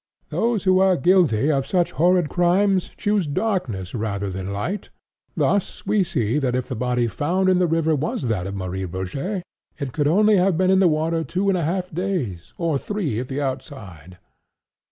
Those who are guilty of such horrid crimes choose darkness rather the light.... Thus we see that if the body found in the river was that of Marie Rogêt, it could only have been in the water two and a half days, or three at the outside.